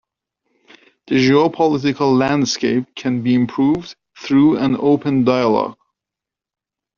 The geopolitical landscape can be improved through an open dialogue.